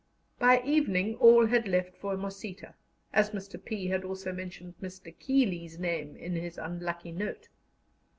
By evening all had left for Mosita, as Mr. P. had also mentioned Mr. Keeley's name in his unlucky note.